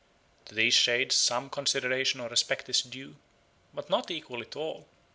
To these shades some consideration or respect is due, but not equally to all.